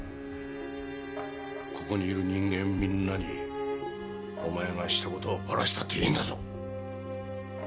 ここにいる人間みんなにお前がしたことをばらしたっていいんだぞ！